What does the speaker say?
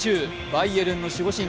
バイエルンの守護神